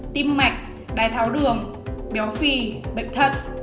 tim mạch đài tháo đường béo phì bệnh thật